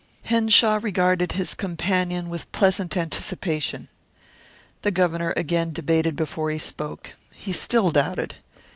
Henshaw regarded his companion with pleasant anticipation. The Governor again debated before he spoke. He still doubted.